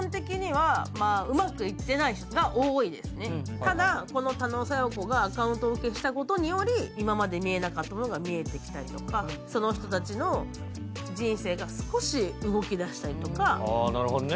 ただこの多野小夜子がアカウントを消したことにより今まで見えなかったものが見えてきたりとかその人たちの人生が少し動き出したりとか。